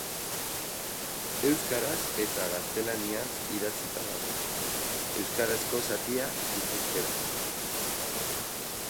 Euskaraz eta gaztelaniaz idatzita dago; euskarazko zatia, gipuzkeraz.